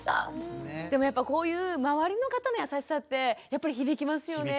でもこういう周りの方の優しさってやっぱり響きますよね